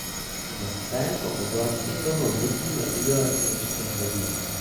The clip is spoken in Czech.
V této oblasti toho musíme udělat ještě hodně.